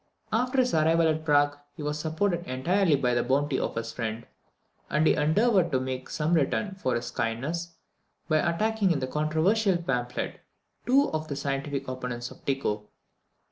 After his arrival at Prague he was supported entirely by the bounty of his friend, and he endeavoured to make some return for this kindness by attacking in a controversial pamphlet two of the scientific opponents of Tycho.